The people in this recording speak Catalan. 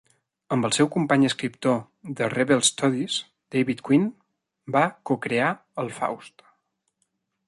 Amb el seu company escriptor de Rebel Studies, David Quinn, va co-crear el Faust.